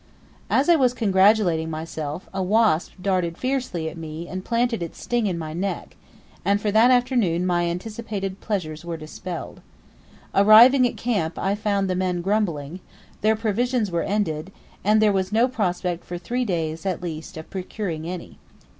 As I was congratulating myself, a wasp darted fiercely at me and planted its sting in my neck, and for that afternoon my anticipated pleasures were dispelled. Arriving at camp I found the men grumbling; their provisions were ended, and there was no prospect for three days, at least, of procuring any.